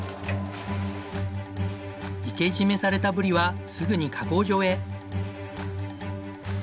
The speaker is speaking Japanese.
活け締めされたブリはすぐに加工場へ。